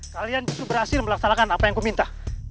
kalian bisa berhasil melaksanakan apa yang kuminta